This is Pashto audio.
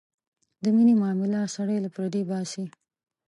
د مینې معامله سړی له پردې باسي.